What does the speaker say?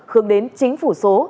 hướng đến chính phủ số